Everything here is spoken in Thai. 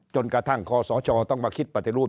กระทั่งคอสชต้องมาคิดปฏิรูป